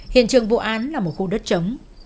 hiện trường vụ án là một khu đất trống